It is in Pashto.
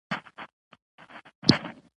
د ژبې د ودې لپاره بودیجه ټاکل پکار ده.